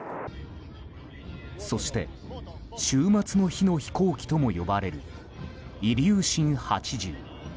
そして終末の日の飛行機とも呼ばれるイリューシン８０。